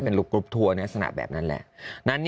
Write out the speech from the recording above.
เป็นลูกกรุ๊ปทัวร์ในลักษณะแบบนั้นแหละ